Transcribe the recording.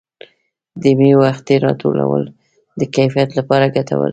د مېوو وختي راټولول د کیفیت لپاره ګټور دي.